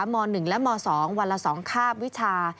ม๑และม๒วันละ๒คาบวิชา